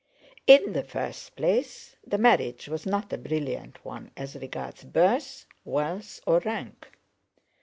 In the first place the marriage was not a brilliant one as regards birth, wealth, or rank.